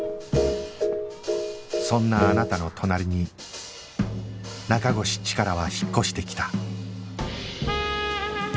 そんなあなたの隣に中越チカラは引っ越してきた